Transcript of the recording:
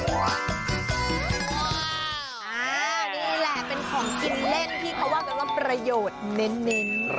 นี่แหละเป็นของกินเล่นที่เขาว่ากันว่าประโยชน์เน้น